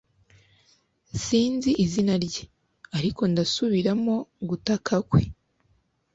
sinzi izina rye, ariko ndasubiramo gutaka kwe